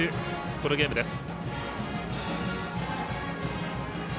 このゲームです。